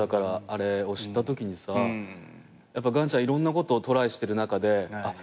あれを知ったときにさ岩ちゃんいろんなことをトライしてる中であっ